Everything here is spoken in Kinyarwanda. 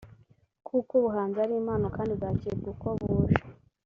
kuko ubuhanzi ari impano kandi bwakirwa uko buje